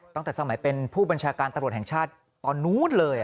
ตั้งแต่สมัยเป็นพูดบัญชาการตะโรห์เองท่าชาติตอนนู้นเลย